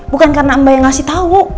bukan karena amba yang ngasih tau